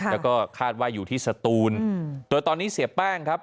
แล้วก็คาดว่าอยู่ที่สตูนโดยตอนนี้เสียแป้งครับ